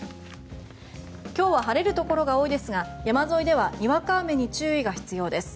今日は晴れるところが多いですが山沿いではにわか雨に注意が必要です。